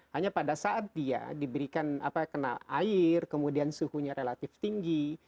hanya pada saat dia diberikan apa kenal air kemudian suhunya relatif tinggi